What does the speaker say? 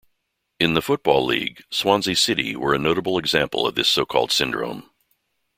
In the Football League, Swansea City were a notable example of this so-called syndrome.